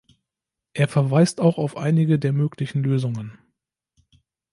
Er verweist auch auf einige der möglichen Lösungen.